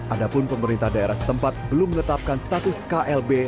adapun pemerintah daerah setempat belum menetapkan status klb